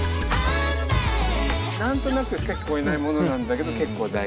何となくしか聴こえないものなんだけど結構大事な。